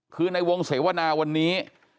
คือในวงเสวนาวันนี้